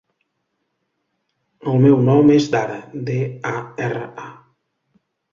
El meu nom és Dara: de, a, erra, a.